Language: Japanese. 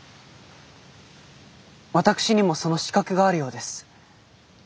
私にもその資格があるようです。